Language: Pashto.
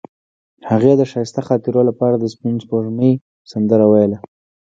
هغې د ښایسته خاطرو لپاره د سپین سپوږمۍ سندره ویله.